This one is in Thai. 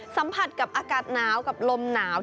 สัมผัสกับอากาศหนาวกับลมหนาว